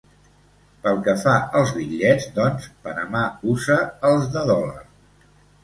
Pel que fa als bitllets, doncs, Panamà usa els de dòlar.